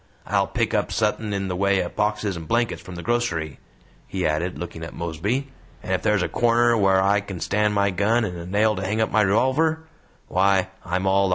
"I'll pick up suthin' in the way o' boxes and blankets from the grocery," he added, looking at Mosby, "and ef thar's a corner whar I kin stand my gun and a nail to hang up my revolver why, I'm all thar!"